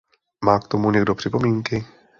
Má k tomu někdo připomínky?